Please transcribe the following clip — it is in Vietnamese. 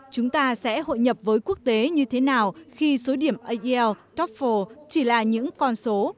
chúng ta sẽ hội nhập với quốc tế như thế nào khi số điểm ael cappho chỉ là những con số